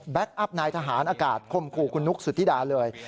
อัพนายทหารอากาศคมคู่คุณนุ๊กสุธิดาเลย